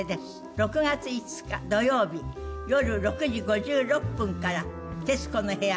６月５日土曜日よる６時５６分から『徹子の部屋』